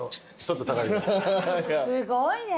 すごいね。